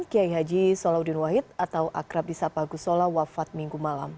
kiai haji solahuddin wahid atau akrab disapagusola wafat minggu malam